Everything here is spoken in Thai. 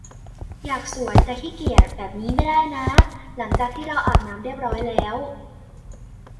อยากสวย แต่ขี้เกียจ แบบนี้ไม่ได้น้าหลังจากที่เราอาบน้ำเรียบร้อยแล้ว